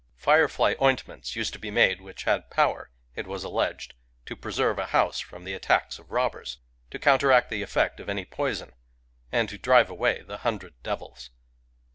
Firefly oint ments used to be made which had power, it was' alleged, to preserve a house from the attacks of I robbers, to counteract the eflFect of any poison, ] and to drive away "the hundred devils."